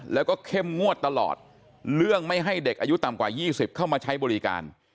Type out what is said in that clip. แล้วก็เข้มงวดตลอดเรื่องไม่ให้เด็กอายุต่ำกว่า๒๐เข้ามาใช้บริการ